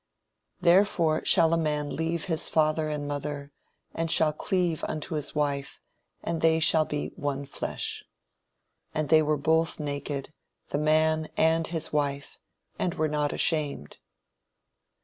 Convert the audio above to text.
"Therefore shall a man leave his father and his mother, and shall cleave unto his wife; and they shall be one flesh. "And they were both naked, the man and his wife, and were not ashamed."